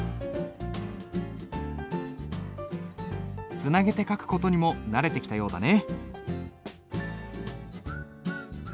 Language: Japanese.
つなげて書く事にも慣れてきたようだね。